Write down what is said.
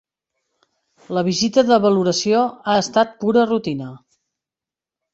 La visita de valoració ha estat pura rutina.